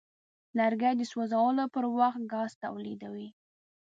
لرګی د سوځولو پر وخت ګاز تولیدوي.